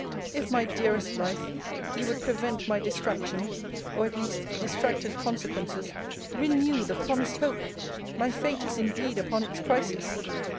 If, my dearest life! you would prevent my distraction, or, at least, distracted consequences, renew the promised hope! My fate is indeed upon its crisis.